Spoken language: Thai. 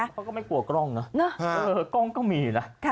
เขาก็ไม่กลัวกล้องนะกล้องก็มีนะ